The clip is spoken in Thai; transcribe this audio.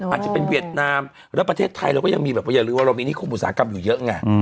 อาจจะเป็นเวียดนามแล้วประเทศไทยเราก็ยังมีแบบว่าอย่าลืมว่าเรามีนิคมอุตสาหกรรมอยู่เยอะไง